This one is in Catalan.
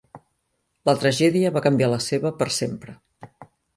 La tragèdia va canviar la seva per sempre.